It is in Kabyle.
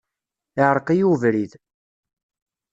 Iɛreq-iyi ubrid.